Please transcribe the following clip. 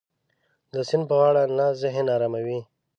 د سیند په غاړه ناسته ذهن اراموي.